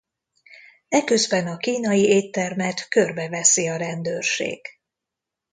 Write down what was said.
Eközben a kínai éttermet körbeveszi a rendőrség.